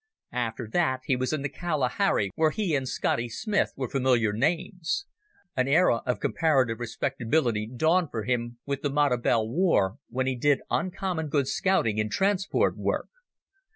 After that he was in the Kalahari, where he and Scotty Smith were familiar names. An era of comparative respectability dawned for him with the Matabele War, when he did uncommon good scouting and transport work.